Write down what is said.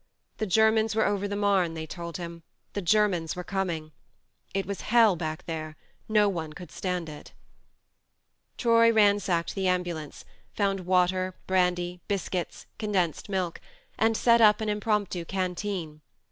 ... The Germans were over the Marne, they told him, the Germans were coming. It was hell back there, no one could stand it. Troy ransacked the ambulance, found THE MARNE 117 water, brandy, biscuits, condensed milk, and set up an impromptu canteen.